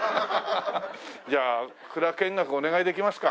じゃあ蔵見学お願いできますか？